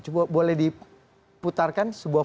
coba boleh diputarkan sebuah